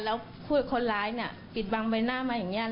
แล้วคนร้ายปิดบังใบหน้ามาอย่างนี้